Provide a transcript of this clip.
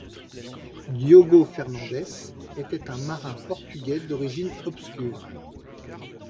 Diogo Fernandes était un marin portugais d'origine obscure.